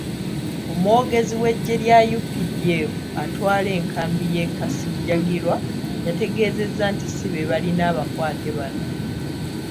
Omwogezi w'eggye lya UPDF atwala enkambi y'e Kasijjagirwa, yategeezezza nti ssi be balina abakwate bano.